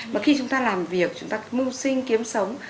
mà khi chúng ta làm việc chúng ta mưu sinh kiếm sống